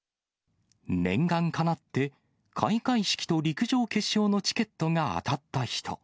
念願かなって開会式と陸上決勝のチケットが当たった人。